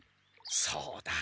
そうだ！